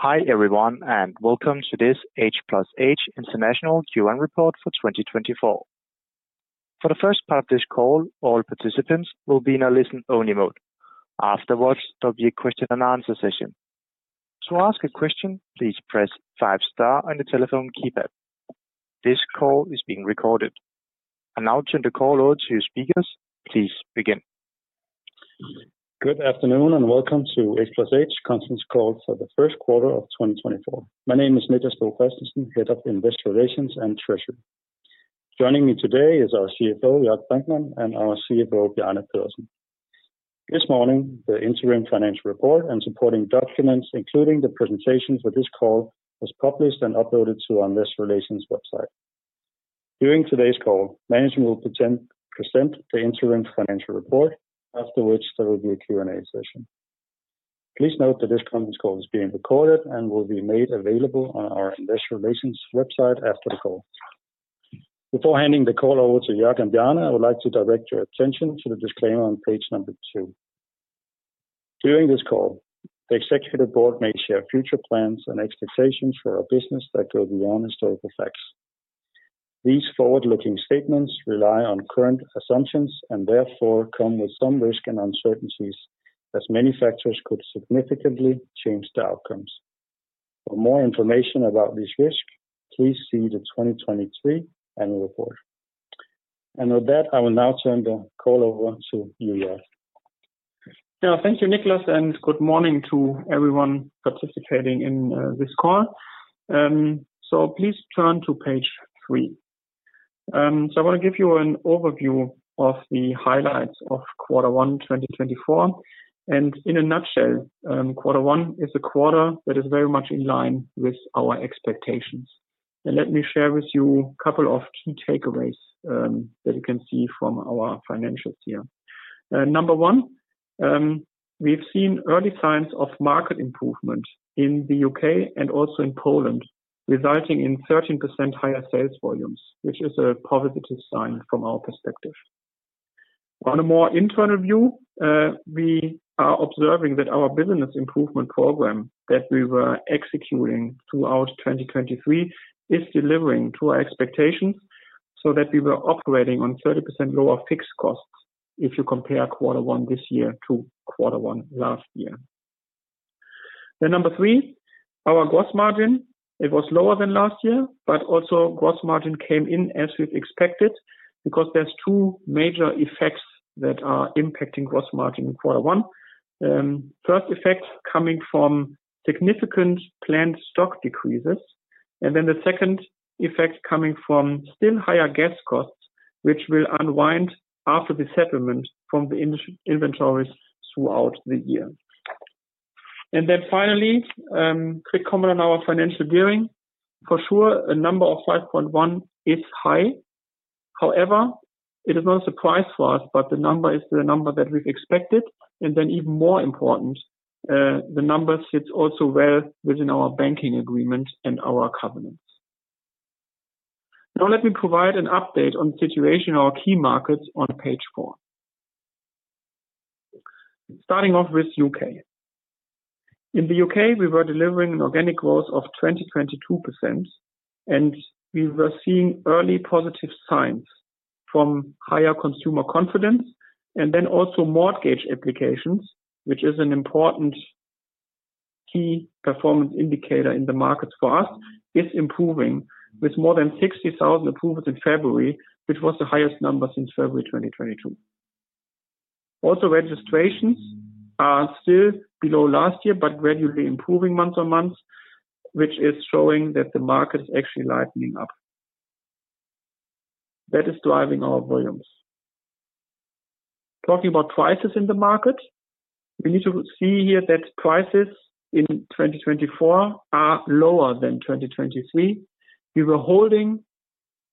Hi, everyone, and welcome to this H+H International Q1 Report for 2024. For the first part of this call, all participants will be in a listen-only mode. Afterwards, there'll be a question and answer session. To ask a question, please press five star on your telephone keypad. This call is being recorded. I now turn the call over to your speakers. Please begin. Good afternoon, and welcome to H+H Conference Call for the First Quarter of 2024. My name is Niclas Bo Kristensen, Head of Investor Relations and Treasury. Joining me today is our Chief Executive Officer, Jörg Brinkmann, and our Chief Financial Officer, Bjarne Pedersen. This morning, the interim financial report and supporting documents, including the presentations for this call, was published and uploaded to Investor Relations website. During today's call, management will present the interim financial report. After which, there will be a Q&A session. Please note that this conference call is being recorded and will be made available on our investor relations website after the call. Before handing the call over to Jörg and Bjarne, I would like to direct your attention to the disclaimer on page two. During this call, the executive board may share future plans and expectations for our business that go beyond historical facts. These forward-looking statements rely on current assumptions, and therefore come with some risk and uncertainties, as many factors could significantly change the outcomes. For more information about this risk, please see the 2023 annual report. With that, I will now turn the call over to you, Jörg. Yeah, thank you, Niclas, and good morning to everyone participating in this call. So please turn to page three. So I want to give you an overview of the highlights of quarter 1, 2024. And in a nutshell, quarter 1 is a quarter that is very much in line with our expectations. And let me share with you a couple of key takeaways that you can see from our financials here. Number one, we've seen early signs of market improvement in the U.K. and also in Poland, resulting in 13% higher sales volumes, which is a positive sign from our perspective. On a more internal view, we are observing that our business improvement program that we were executing throughout 2023 is delivering to our expectations, so that we were operating on 30% lower fixed costs if you compare quarter one this year to quarter one last year. Then number three, our gross margin. It was lower than last year, but also gross margin came in as we've expected, because there's two major effects that are impacting gross margin in quarter one. First effect coming from significant planned stock decreases, and then the second effect coming from still higher gas costs, which will unwind after the settlement from the inventories throughout the year. Then finally, quick comment on our financial gearing. For sure, a number of 5.1 is high. However, it is no surprise for us, but the number is the number that we've expected, and then even more important, the number sits also well within our banking agreement and our covenants. Now, let me provide an update on the situation in our key markets on page four. Starting off with U.K. In the U.K., we were delivering an organic growth of 22%, and we were seeing early positive signs from higher consumer confidence, and then also mortgage applications, which is an important key performance indicator in the markets for us, is improving, with more than 60,000 approvals in February, which was the highest number since February 2022. Also, registrations are still below last year, but gradually improving month-on-month, which is showing that the market is actually lightening up. That is driving our volumes. Talking about prices in the market, we need to see here that prices in 2024 are lower than 2023. We were holding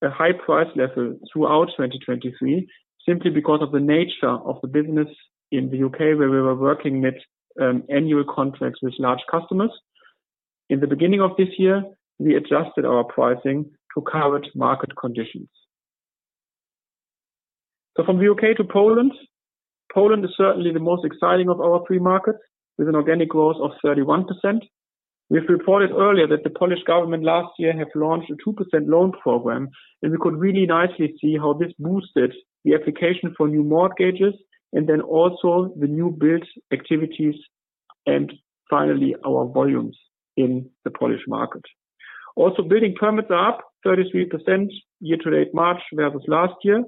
a high price level throughout 2023, simply because of the nature of the business in the U.K., where we were working with annual contracts with large customers. In the beginning of this year, we adjusted our pricing to current market conditions. So from the U.K. to Poland. Poland is certainly the most exciting of our pre-markets, with an organic growth of 31%. We've reported earlier that the Polish government last year have launched a 2% loan program, and we could really nicely see how this boosted the application for new mortgages, and then also the new build activities, and finally, our volumes in the Polish market. Also, building permits are up 33% year to date, March, versus last year.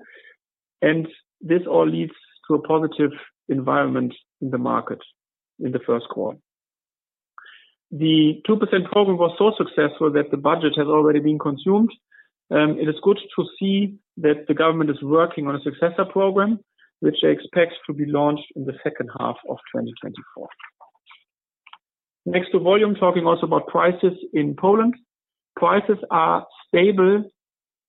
This all leads to a positive environment in the market in the first quarter. The 2% program was so successful that the budget has already been consumed. It is good to see that the government is working on a successor program, which they expect to be launched in the second half of 2024. Next to volume, talking also about prices in Poland. Prices are stable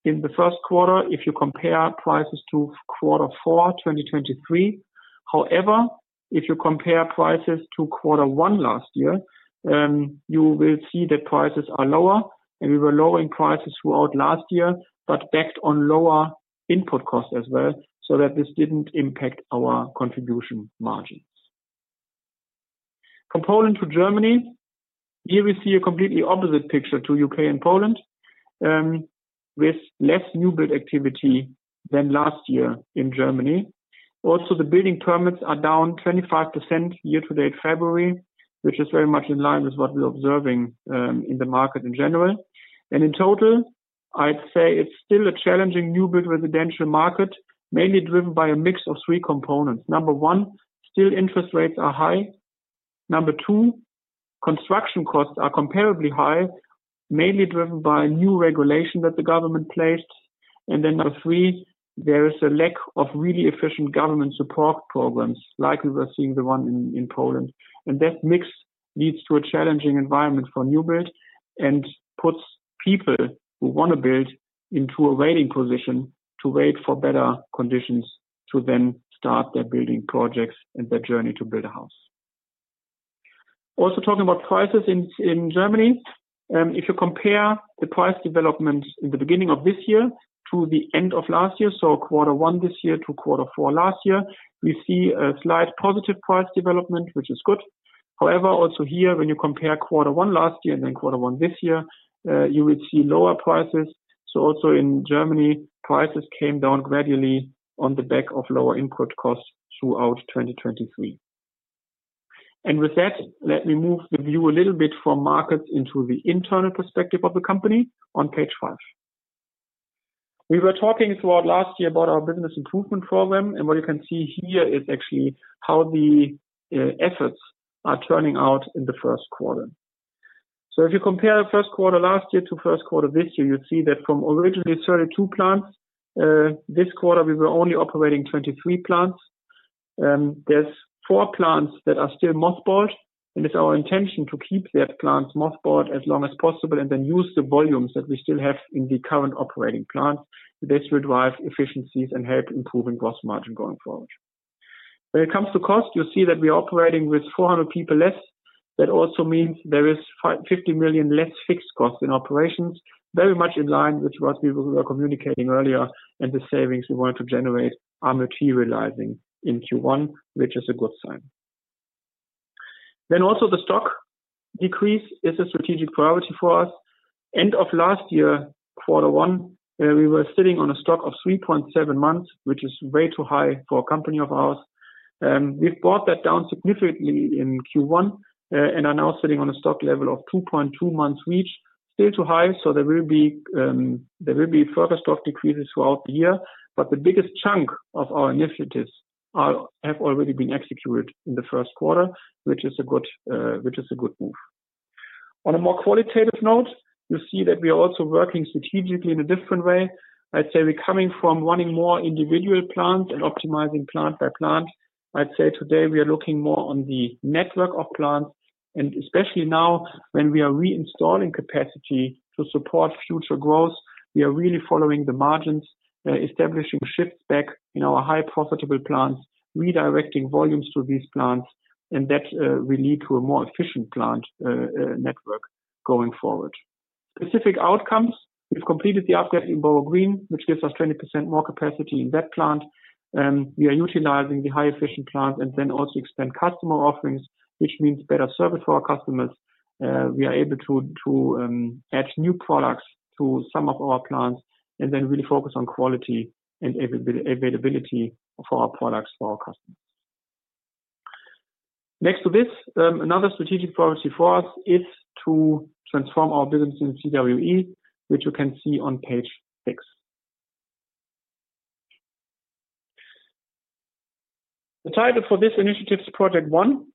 in the first quarter if you compare prices to quarter four, 2023. However, if you compare prices to quarter one last year, you will see that prices are lower, and we were lowering prices throughout last year, but based on lower input costs as well, so that this didn't impact our contribution margins. Comparing to Germany, here we see a completely opposite picture to U.K. and Poland, with less new build activity than last year in Germany. Also, the building permits are down 25% year to date February, which is very much in line with what we're observing in the market in general. In total, I'd say it's still a challenging new build residential market, mainly driven by a mix of three components. Number one, still interest rates are high. Number two, construction costs are comparably high, mainly driven by new regulation that the government placed. Then number three, there is a lack of really efficient government support programs, like we were seeing the one in Poland. And that mix leads to a challenging environment for new build and puts people who wanna build into a waiting position to wait for better conditions to then start their building projects and their journey to build a house. Also, talking about prices in Germany, if you compare the price development in the beginning of this year to the end of last year, so quarter one this year to quarter four last year, we see a slight positive price development, which is good. However, also here, when you compare quarter one last year and then quarter one this year, you will see lower prices. So also in Germany, prices came down gradually on the back of lower input costs throughout 2023. And with that, let me move the view a little bit from markets into the internal perspective of the company on page five. We were talking throughout last year about our business improvement program, and what you can see here is actually how the efforts are turning out in the first quarter. So if you compare first quarter last year to first quarter this year, you'll see that from originally 32 plants, this quarter we were only operating 23 plants. There's four plants that are still mothballed, and it's our intention to keep that plant mothballed as long as possible and then use the volumes that we still have in the current operating plants. This will drive efficiencies and help improving gross margin going forward. When it comes to cost, you'll see that we are operating with 400 people less. That also means there is 50 million less fixed costs in operations, very much in line with what we were communicating earlier, and the savings we want to generate are materializing in Q1, which is a good sign. Then also the stock decrease is a strategic priority for us. End of last year, quarter one, we were sitting on a stock of 3.7 months, which is way too high for a company of ours. We've brought that down significantly in Q1, and are now sitting on a stock level of 2.2 months, which still too high. So there will be, there will be further stock decreases throughout the year, but the biggest chunk of our initiatives have already been executed in the first quarter, which is a good, which is a good move. On a more qualitative note, you'll see that we are also working strategically in a different way. I'd say we're coming from running more individual plants and optimizing plant by plant. I'd say today we are looking more on the network of plants, and especially now when we are reinstalling capacity to support future growth, we are really following the margins, establishing shifts back in our high profitable plants, redirecting volumes to these plants, and that will lead to a more efficient plant network going forward. Specific outcomes, we've completed the upgrade in Borough Green, which gives us 20% more capacity in that plant. We are utilizing the high efficient plant and then also extend customer offerings, which means better service for our customers. We are able to add new products to some of our plants and then really focus on quality and availability of our products for our customers. Next to this, another strategic priority for us is to transform our business in CWE, which you can see on page six. The title for this initiative is PROJECT ONE,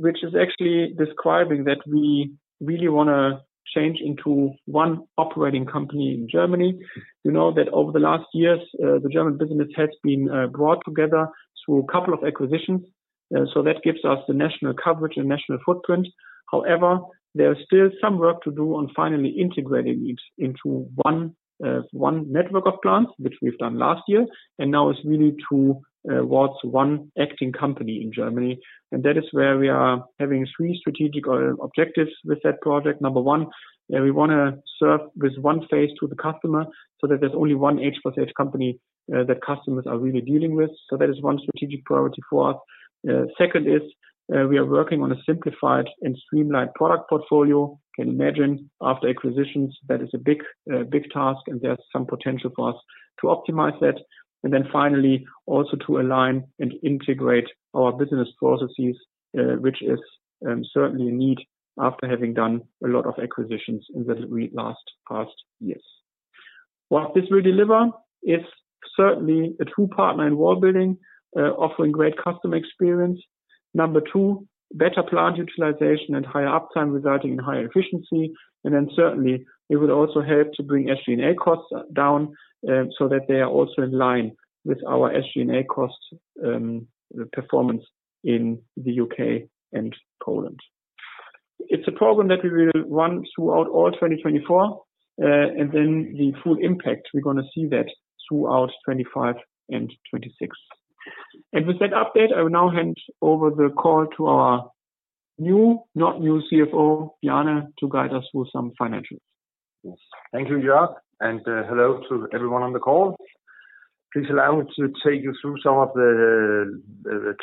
which is actually describing that we really wanna change into one operating company in Germany. You know that over the last years, the German business has been brought together through a couple of acquisitions, so that gives us the national coverage and national footprint. However, there is still some work to do on finally integrating it into one network of plants, which we've done last year, and now it's really towards one acting company in Germany. That is where we are having three strategic objectives with that project. Number one, we wanna serve with one face to the customer so that there's only one H+H company that customers are really dealing with. So that is one strategic priority for us. Second is, we are working on a simplified and streamlined product portfolio. You can imagine after acquisitions, that is a big, big task and there's some potential for us to optimize that. And then finally, also to align and integrate our business processes, which is certainly a need after having done a lot of acquisitions in the past years. What this will deliver is certainly a true partner in wall building, offering great customer experience. Number two, better plant utilization and higher uptime, resulting in higher efficiency. Then certainly, it will also help to bring SG&A costs down, so that they are also in line with our SG&A costs performance in the U.K. and Poland. It's a program that we will run throughout all 2024, and then the full impact, we're gonna see that throughout 2025 and 2026.... With that update, I will now hand over the call to our new, not new, Chief Financial Officer, Bjarne, to guide us through some financials. Yes. Thank you, Jörg, and hello to everyone on the call. Please allow me to take you through some of the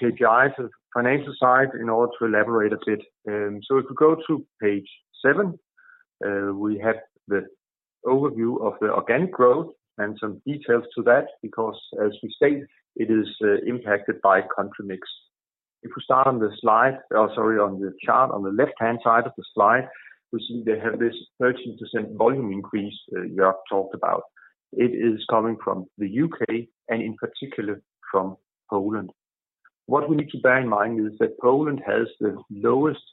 KPIs of financial side in order to elaborate a bit. So if we go to page seven, we have the overview of the organic growth and some details to that, because as we stated, it is impacted by country mix. If we start on the slide, or sorry, on the chart on the left-hand side of the slide, we see they have this 13% volume increase, Jörg talked about. It is coming from the U.K., and in particular, from Poland. What we need to bear in mind is that Poland has the lowest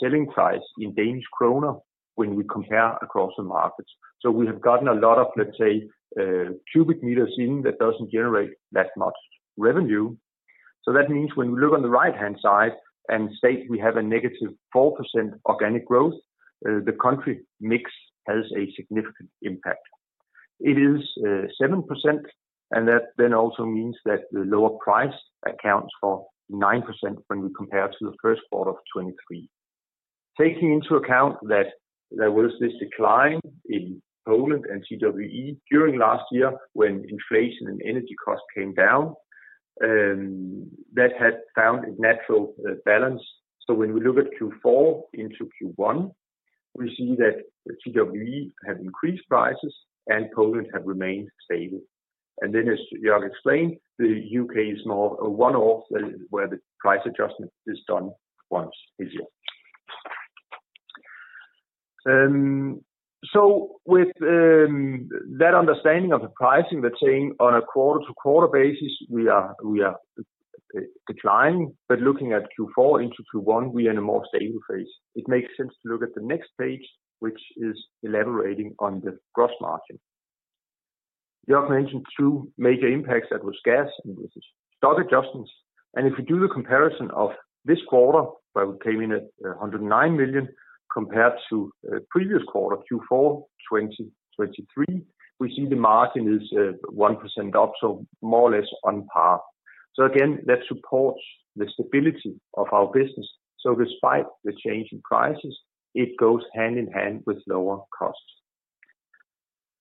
selling price in Danish kroner when we compare across the markets. So we have gotten a lot of, let's say, cubic meters in, that doesn't generate that much revenue. So that means when we look on the right-hand side and stated we have a negative 4% organic growth, the country mix has a significant impact. It is, seven percent, and that then also means that the lower price accounts for 9% when we compare to the first quarter of 2023. Taking into account that there was this decline in Poland and CWE during last year when inflation and energy costs came down, that had found a natural, balance. So when we look at Q4 into Q1, we see that CWE have increased prices and Poland have remained stable. And then, as Jörg explained, the U.K. is more a one-off, where, where the price adjustment is done once a year. So with that understanding of the pricing, let's say, on a quarter-to-quarter basis, we are declining, but looking at Q4 into Q1, we are in a more stable phase. It makes sense to look at the next page, which is elaborating on the gross margin. Jörg mentioned two major impacts, that was gas and stock adjustments. If you do the comparison of this quarter, where we came in at 109 million, compared to previous quarter, Q4 2023, we see the margin is 1% up, so more or less on par. So again, that supports the stability of our business. So despite the change in prices, it goes hand in hand with lower costs.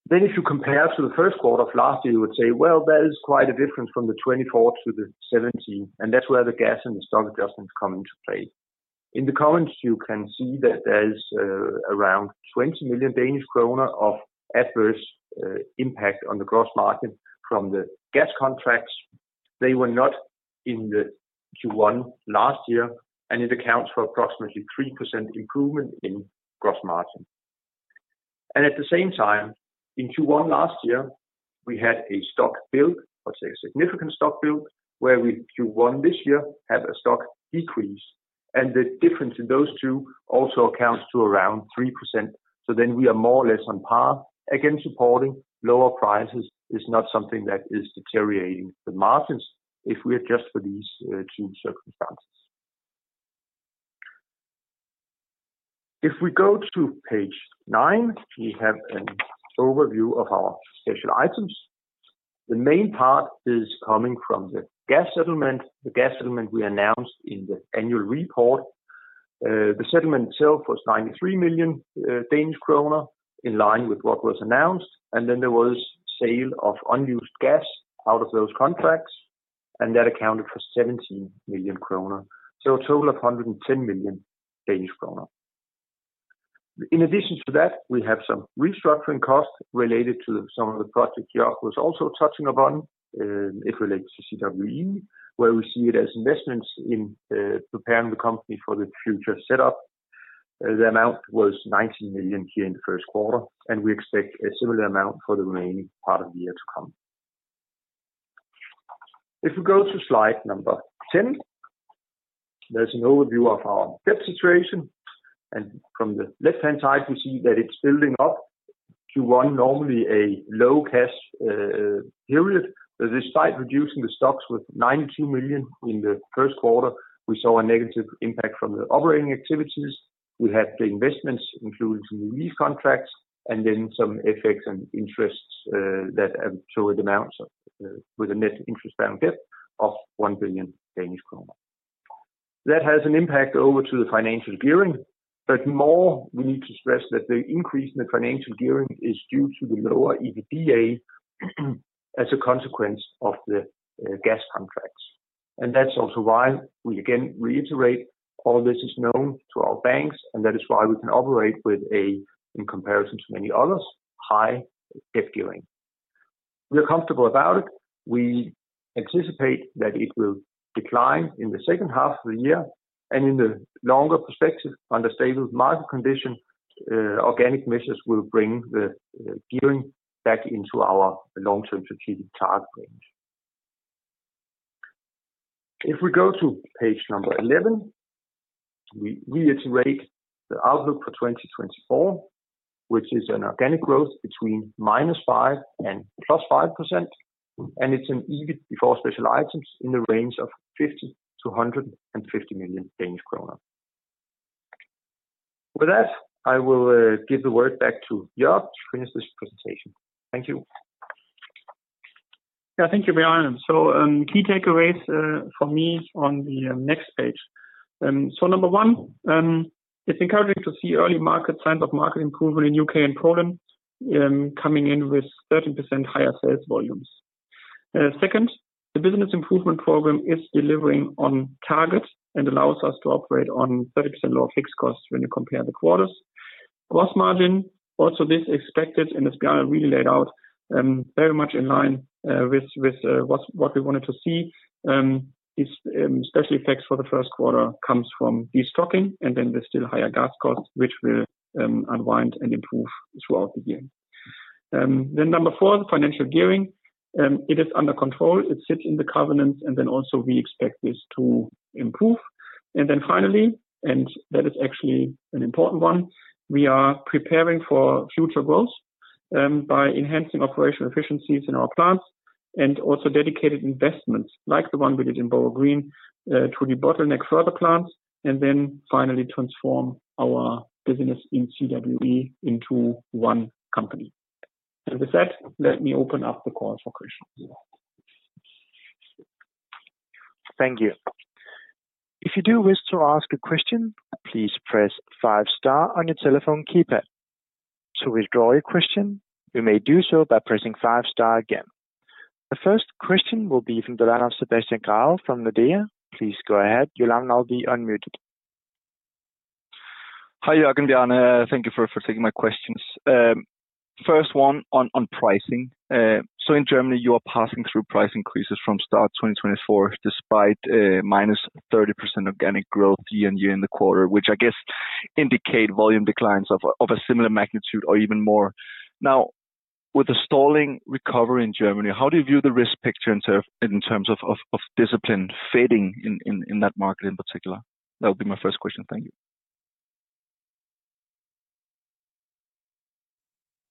Then, if you compare to the first quarter of last year, you would say, "Well, that is quite a difference from the 24 to the 17," and that's where the gas and the stock adjustments come into play. In the comments, you can see that there's around 20 million Danish kroner of adverse impact on the gross margin from the gas contracts. They were not in the Q1 last year, and it accounts for approximately 3% improvement in gross margin. And at the same time, in Q1 last year, we had a stock build, or say, a significant stock build, where we Q1 this year have a stock decrease, and the difference in those two also accounts to around 3%. So then we are more or less on par. Again, supporting lower prices is not something that is deteriorating the margins if we adjust for these two circumstances. If we go to page 9, we have an overview of our special items. The main part is coming from the gas settlement, the gas settlement we announced in the annual report. The settlement itself was 93 million Danish kroner, in line with what was announced, and then there was sale of unused gas out of those contracts, and that accounted for 17 million kroner. So a total of 110 million Danish kroner. In addition to that, we have some restructuring costs related to some of the projects Jörg was also touching upon. It relates to CWE, where we see it as investments in preparing the company for the future setup. The amount was 19 million here in the first quarter, and we expect a similar amount for the remaining part of the year to come. If we go to slide number 10, there's an overview of our debt situation, and from the left-hand side, we see that it's building up to, one, normally a low cash period. But despite reducing the stocks with 92 million in the first quarter, we saw a negative impact from the operating activities. We had the investments, including new lease contracts, and then some effects and interests, that have showed amounts of, with a net interest-bearing debt of 1 billion Danish kroner. That has an impact over to the financial gearing, but more, we need to stress that the increase in the financial gearing is due to the lower EBITDA, as a consequence of the gas contracts. And that's also why we again reiterate all this is known to our banks, and that is why we can operate with a, in comparison to many others, high debt gearing. We are comfortable about it. We anticipate that it will decline in the second half of the year, and in the longer perspective, under stable market condition, organic measures will bring the gearing back into our long-term strategic target range. If we go to page 11, we reiterate the outlook for 2024, which is an organic growth between -5% and +5%, and it's an EBIT before special items in the range of 50 million-150 million Danish kroner. With that, I will give the word back to Jörg to finish this presentation. Thank you. Yeah, thank you, Bjarne. So, key takeaways for me on the next page. So number one, it's encouraging to see early market signs of market improvement in U.K. and Poland, coming in with 13% higher sales volumes. Second, the business improvement program is delivering on target and allows us to operate on 30% lower fixed costs when you compare the quarters. Gross margin also as expected, and as Bjarne really laid out, very much in line with what we wanted to see. These special items for the first quarter come from destocking and then the still higher gas costs, which will unwind and improve throughout the year. Then number four, the financial gearing. It is under control. It sits in the covenants, and then also we expect this to improve. And then finally, and that is actually an important one, we are preparing for future growth, by enhancing operational efficiencies in our plants and also dedicated investments like the one we did in Borough Green, to debottleneck further plants and then finally transform our business in CWE into one company. And with that, let me open up the call for questions. Thank you. If you do wish to ask a question, please press five star on your telephone keypad. To withdraw your question, you may do so by pressing five star again. The first question will be from the line of Sebastian Grave from Nordea. Please go ahead. You'll now be unmuted. Hi, Jörg, Bjarne. Thank you for taking my questions. First one on pricing. So in Germany, you are passing through price increases from start 2024, despite minus 30% organic growth year-over-year in the quarter, which I guess indicate volume declines of a similar magnitude or even more. Now, with the stalling recovery in Germany, how do you view the risk picture in terms of discipline fading in that market in particular? That would be my first question. Thank you.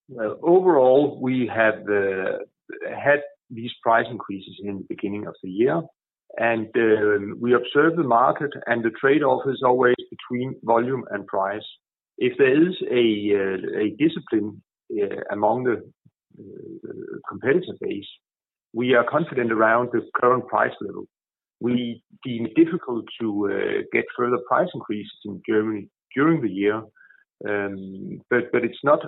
Well, overall, we have had these price increases in the beginning of the year, and we observe the market and the trade-off is always between volume and price. If there is a discipline among the competitive base, we are confident around the current price level. We deem it difficult to get further price increases in Germany during the year, but it's not,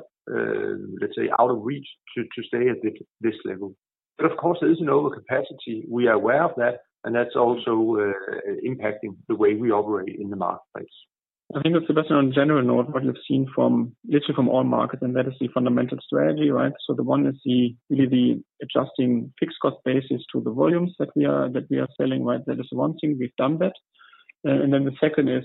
let's say, out of reach to stay at this level. But of course, there is an overcapacity. We are aware of that, and that's also impacting the way we operate in the marketplace. I think, Sebastian, on a general note, what you've seen from literally all markets, and that is the fundamental strategy, right? So the one is really the adjusting fixed cost basis to the volumes that we are selling, right? That is one thing. We've done that. And then the second is,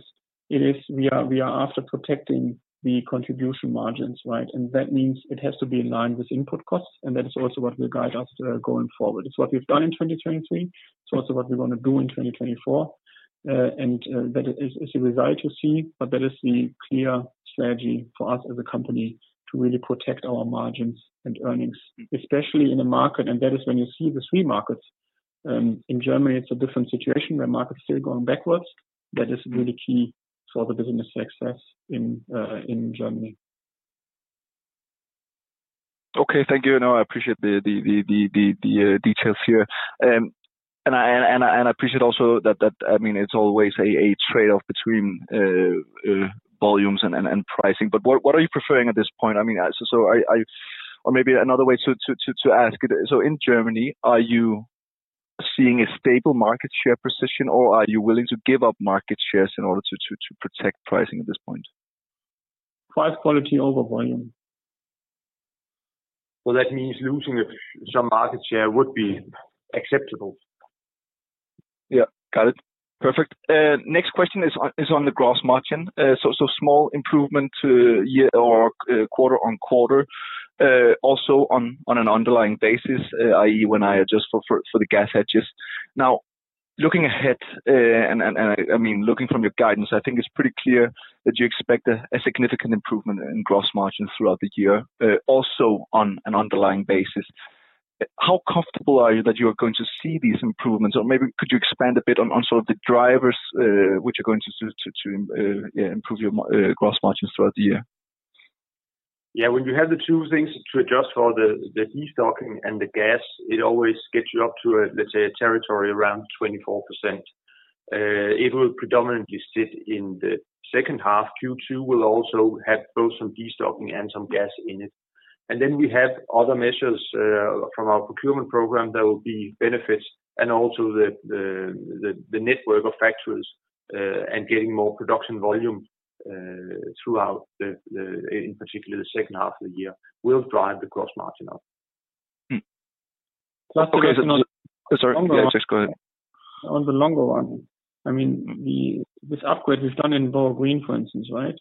we are after protecting the contribution margins, right? And that means it has to be in line with input costs, and that is also what will guide us going forward. It's what we've done in 2023. It's also what we want to do in 2024. And that is a desire to see, but that is the clear strategy for us as a company to really protect our margins and earnings, especially in the market. That is when you see the three markets in Germany; it's a different situation, where market is still going backwards. That is really key for the business success in, in Germany. Okay, thank you. No, I appreciate the details here. And I appreciate also that, I mean, it's always a trade-off between volumes and pricing. But what are you preferring at this point? I mean, so... Or maybe another way to ask it, so in Germany, are you seeing a stable market share position, or are you willing to give up market shares in order to protect pricing at this point? Price quality over volume. Well, that means losing some market share would be acceptable. Yeah. Got it. Perfect. Next question is on the gross margin. So small improvement year-over-year or quarter-on-quarter. Also on an underlying basis, i.e., when I adjust for the gas hedges. Now, looking ahead, I mean, looking from your guidance, I think it's pretty clear that you expect a significant improvement in gross margins throughout the year, also on an underlying basis. How comfortable are you that you are going to see these improvements? Or maybe could you expand a bit on sort of the drivers which are going to do to improve your gross margins throughout the year? Yeah, when you have the two things to adjust for, the destocking and the gas, it always gets you up to a, let's say, a territory around 24%. It will predominantly sit in the second half. Q2 will also have both some destocking and some gas in it. And then we have other measures from our procurement program that will be benefits and also the network of factories and getting more production volume throughout the, in particular, the second half of the year, will drive the gross margin up. Hmm. On the longer one, I mean, this upgrade we've done in Borough Green, for instance, right?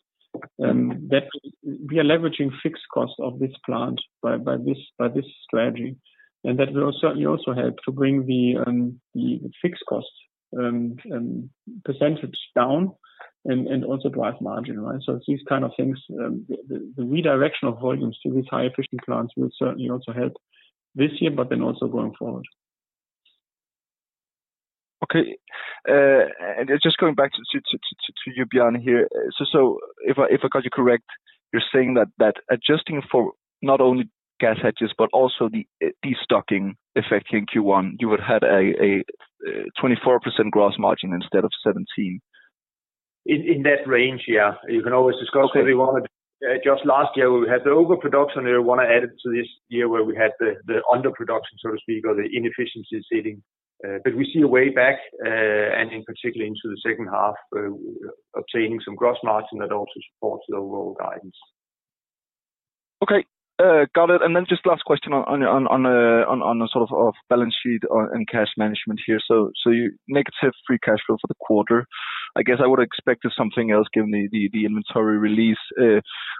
That we are leveraging fixed costs of this plant by this strategy, and that will also certainly help to bring the fixed costs percentage down and also drive margin, right? So these kind of things, the redirection of volumes to these high efficient plants will certainly also help this year, but then also going forward. Okay, and just going back to you, Bjarne, here. So, if I got you correct, you're saying that adjusting for not only gas hedges, but also the destocking effect in Q1, you would have a 24% gross margin instead of 17%. In that range, yeah. You can always discuss what we wanted. Just last year, we had the overproduction, and I want to add it to this year, where we had the underproduction, so to speak, or the inefficiencies hitting. But we see a way back, and in particular into the second half, obtaining some gross margin that also supports the overall guidance. Okay, got it. And then just last question on a sort of balance sheet and cash management here. So you negative free cash flow for the quarter. I guess I would have expected something else, given the inventory release.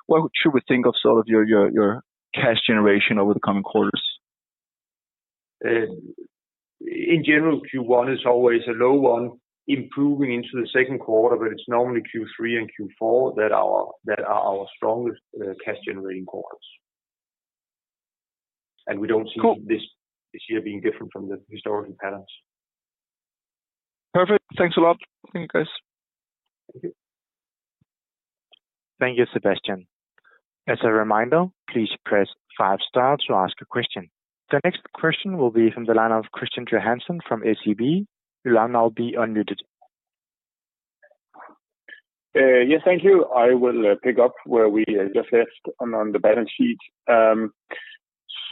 What should we think of sort of your cash generation over the coming quarters? In general, Q1 is always a low one, improving into the second quarter, but it's normally Q3 and Q4 that are, that are our strongest, cash generating quarters. And we don't see- Cool. This year being different from the historical patterns. Perfect. Thanks a lot. Thank you, guys. Thank you, Sebastian. As a reminder, please press five star to ask a question. The next question will be from the line of Kristian Tornøe Johansen from SEB. You will now be unmuted. Yes, thank you. I will pick up where we just left on the balance sheet.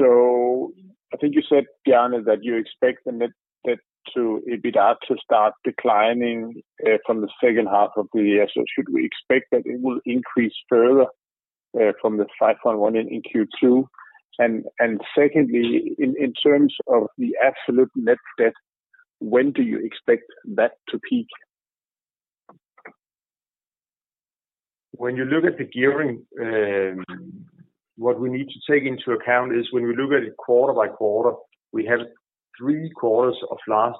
So I think you said, Bjarne, that you expect the net debt to EBITDA to start declining from the second half of the year. So should we expect that it will increase further from the 5.1 in Q2? And secondly, in terms of the absolute net debt, when do you expect that to peak? When you look at the gearing, what we need to take into account is when we look at it quarter by quarter, we have two quarters last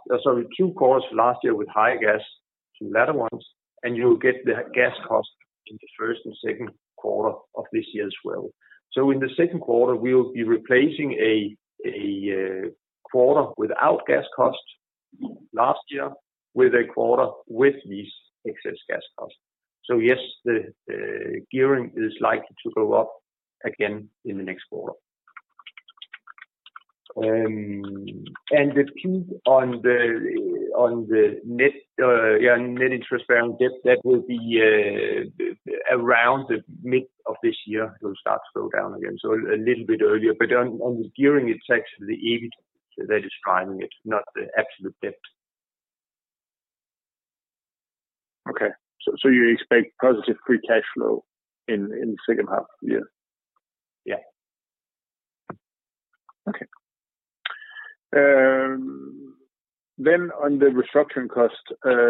year with high gas, two latter ones, and you'll get the gas cost in the first and second quarter of this year as well. So in the second quarter, we'll be replacing a quarter without gas cost last year with a quarter with these excess gas costs. So yes, the gearing is likely to go up again in the next quarter. And the peak on the net interest-bearing debt, that will be around the mid of this year, will start to slow down again. A little bit earlier, but on the gearing, it's actually the EBIT that is driving it, not the absolute debt. Okay, so you expect positive free cash flow in the second half of the year? Yeah. Okay. Then on the restructuring cost,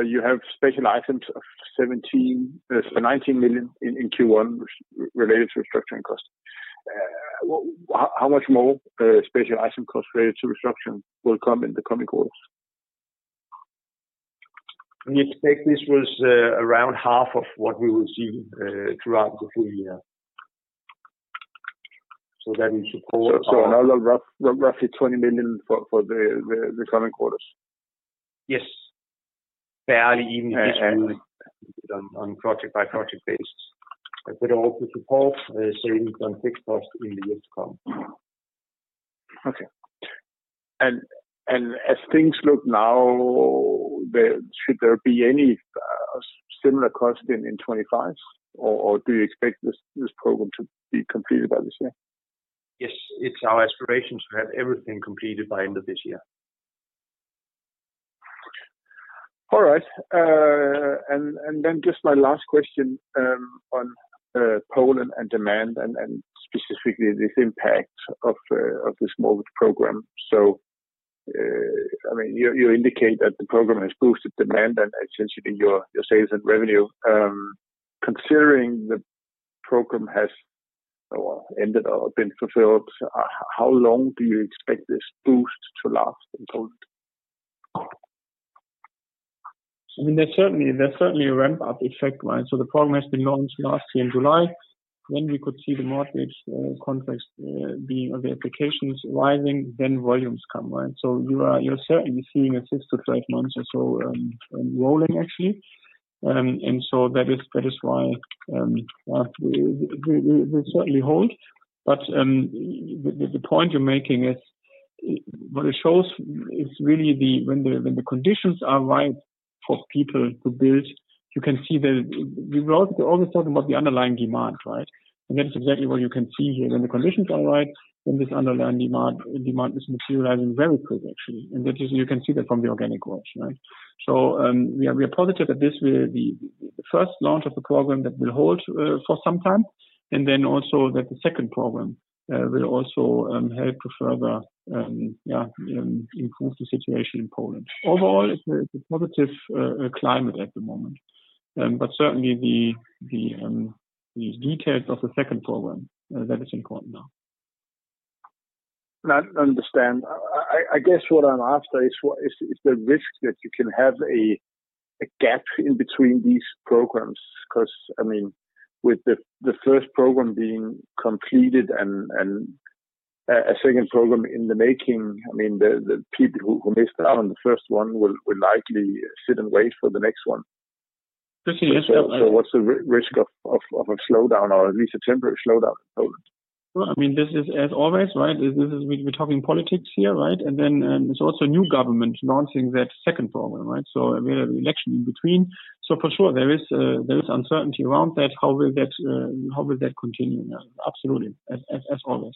you have Special Items of 19 million in Q1 related to restructuring costs. How much more Special Items costs related to restructuring will come in the coming quarters? We expect this was around half of what we will see throughout the full year. So that will support our- So another roughly 20 million for the coming quarters? Yes. Barely even on project-by-project basis, but it also supports savings on fixed costs in the years to come. Okay. As things look now, should there be any similar cost in 2025, or do you expect this program to be completed by this year? Yes, it's our aspiration to have everything completed by end of this year. All right. And then just my last question on Poland and demand and specifically this impact of this mortgage program. So, I mean, you indicate that the program has boosted demand and essentially your sales and revenue. Considering the program has ended or been fulfilled, how long do you expect this boost to last in Poland? I mean, there's certainly, there's certainly a ramp-up effect, right? So the program has been launched last year in July, when we could see the mortgage context, the applications rising, then volumes come, right? So you are, you're certainly seeing a six-12 months or so, rolling, actually. And so that is why we certainly hold. But the point you're making is, what it shows is really the, when the conditions are right for people to build, you can see the... We're always talking about the underlying demand, right? And that's exactly what you can see here. When the conditions are right, then this underlying demand is materializing very quick, actually. And that is, you can see that from the organic growth, right? So, we are positive that this will be the first launch of the program that will hold for some time, and then also that the second program will also help to further improve the situation in Poland. Overall, it's a positive climate at the moment, but certainly the details of the second program that is important now. I understand. I guess what I'm after is the risk that you can have a gap in between these programs? Because, I mean, with the first program being completed and- A, a second program in the making. I mean, the people who missed out on the first one will likely sit and wait for the next one. Christian, yes. So what's the risk of a slowdown, or at least a temporary slowdown in Poland? Well, I mean, this is as always, right? This is we're talking politics here, right? And then, there's also a new government launching that second program, right? So we had an election in between. So for sure there is there is uncertainty around that. How will that how will that continue? Absolutely, as as as always.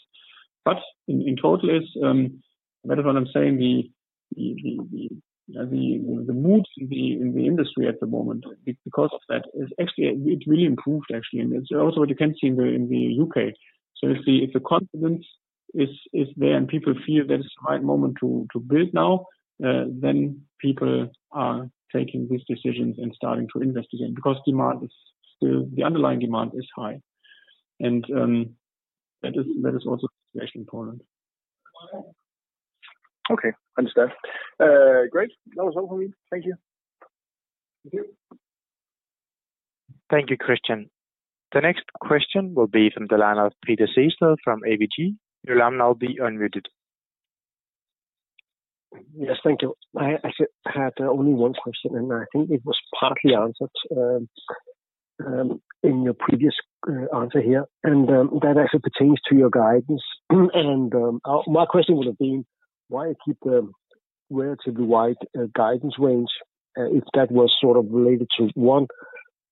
But in total is that is what I'm saying, the mood in the industry at the moment because of that is actually, it really improved actually. And it's also what you can see in the U.K. So if the confidence is there and people feel that it's the right moment to build now, then people are taking these decisions and starting to investigate. Because demand is still... The underlying demand is high, and that is, that is also very important. Okay, understand. Great. That was all for me. Thank you. Thank you. Thank you, Christian. The next question will be from the line of Peter Sehested from ABG. Your line will now be unmuted. Yes, thank you. I had only one question, and I think it was partly answered in your previous answer here, and that actually pertains to your guidance. And my question would have been, why you keep the relatively wide guidance range if that was sort of related to one,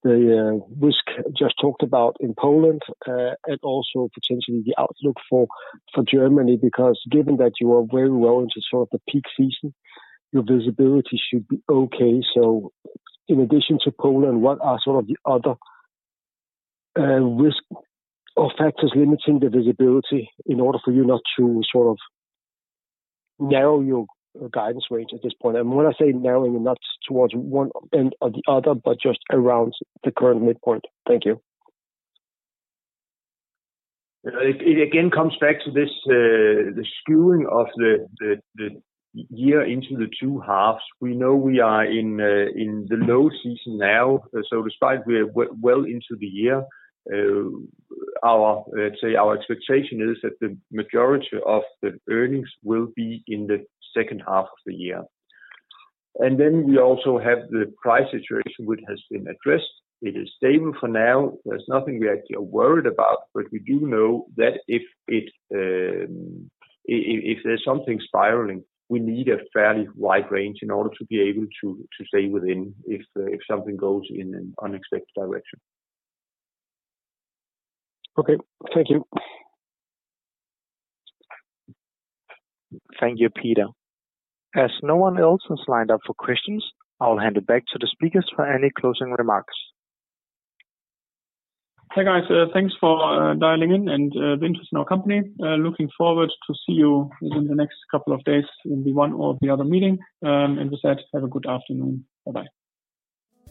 the risk just talked about in Poland, and also potentially the outlook for Germany, because given that you are very well into sort of the peak season, your visibility should be okay. So in addition to Poland, what are sort of the other risk or factors limiting the visibility in order for you not to sort of narrow your guidance range at this point? And when I say narrowing, not towards one end or the other, but just around the current midpoint. Thank you. It again comes back to this, the skewing of the year into the two halves. We know we are in the low season now. So despite we're well into the year, our, let's say, our expectation is that the majority of the earnings will be in the second half of the year. And then we also have the price situation, which has been addressed. It is stable for now. There's nothing we actually are worried about, but we do know that if it, if there's something spiraling, we need a fairly wide range in order to be able to stay within, if something goes in an unexpected direction. Okay, thank you. Thank you, Peter. As no one else is lined up for questions, I'll hand it back to the speakers for any closing remarks. Hey, guys, thanks for dialing in and the interest in our company. Looking forward to see you within the next couple of days in the one or the other meeting. And with that, have a good afternoon. Bye-bye.